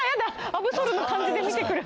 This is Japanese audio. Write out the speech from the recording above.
アブソルの感じで見てくる。